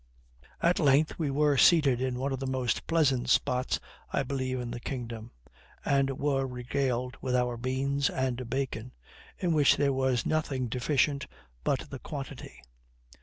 At length we were seated in one of the most pleasant spots I believe in the kingdom, and were regaled with our beans and bacon, in which there was nothing deficient but the quantity.